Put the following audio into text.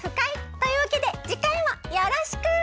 というわけでじかいもよろしく！